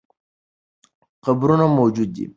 قبرونه موجود دي.